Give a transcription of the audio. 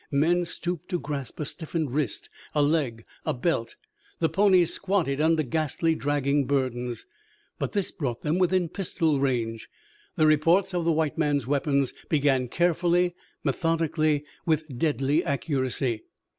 Men stooped to grasp a stiffened wrist, a leg, a belt; the ponies squatted under ghastly dragging burdens. But this brought them within pistol range. The reports of the white men's weapons began, carefully, methodically, with deadly accuracy.